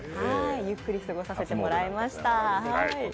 ゆっくり過ごさせてもらいました。